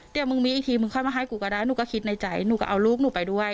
เดี๋ยวมึงมีอีกทีมึงค่อยมาให้กูก็ได้หนูก็คิดในใจหนูก็เอาลูกหนูไปด้วย